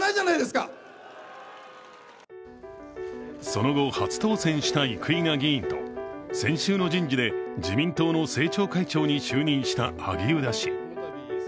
その後、初当選した生稲議員と先週の人事で自民党の政調会長に就任した萩生田氏。